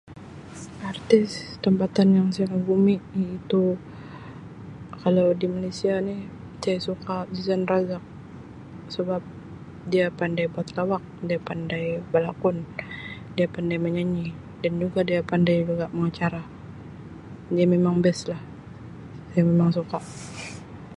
"Artis tempatan yang saya kagumi iaitu kalau di Malaysia ni saya suka Zizan Razak sebab dia pandai buat lawak, dia pandai belakon, dia pandai menyanyi dan juga dia pandai juga mengacara dia memang ""best"" lah saya memang suka."